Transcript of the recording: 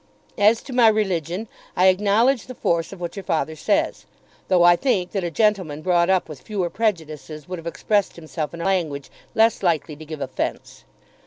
As to my religion, I acknowledge the force of what your father says, though I think that a gentleman brought up with fewer prejudices would have expressed himself in language less likely to give offence.